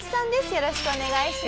よろしくお願いします。